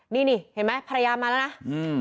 นี่เห็นไหมภรรยามาแล้วนะ